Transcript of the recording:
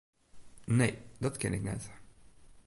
Nee, dat tink ik net.